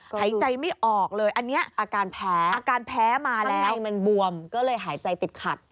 หายใจไม่ออกเลยอันนี้อาการแพ้อาการแพ้มาแล้วมันบวมก็เลยหายใจติดขัด